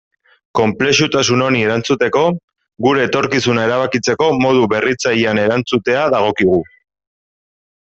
Konplexutasun honi erantzuteko, gure etorkizuna erabakitzeko modu berritzailean erantzutea dagokigu.